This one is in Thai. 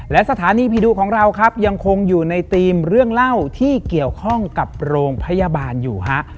และสถานีผีดุของเราครับยังคงอยู่ในธีมเรื่องเล่าที่เกี่ยวข้องกับโรงพยาบาลอยู่ฮะ